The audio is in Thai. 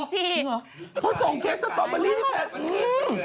เธอส่งเค้กสตอบบอรี่ที่แปด